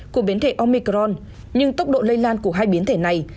của biến thể omicron nhưng tốc độ lây lan của hai biến thể này